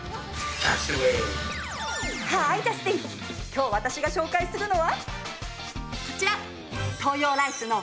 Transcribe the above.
今日私が紹介するのはこちら！